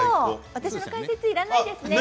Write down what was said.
私の解説いらないですね。